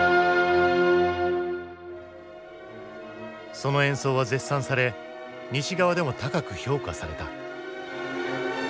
その演奏は絶賛され西側でも高く評価された。